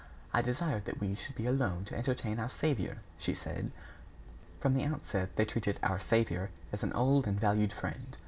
"I desired that we should be alone to entertain our saviour," she said. From the outset, they treated "our saviour" as an old and valued friend.